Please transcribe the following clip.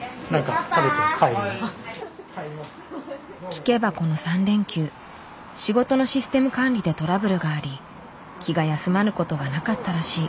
聞けばこの３連休仕事のシステム管理でトラブルがあり気が休まることはなかったらしい。